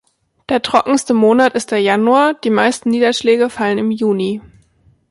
Der trockenste Monat ist der Januar, die meisten Niederschläge fallen im Juni.